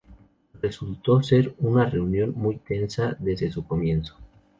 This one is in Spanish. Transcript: Resultó ser una reunión muy tensa desde su comienzo.